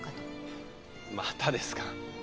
ハァまたですか。